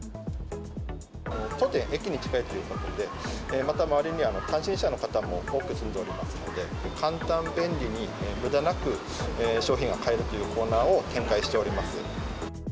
当店、駅に近いということで、また周りには単身者の方も多く住んでおりますので、簡単、便利に、むだなく商品が買えるというコーナーを展開しております。